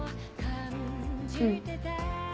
うん。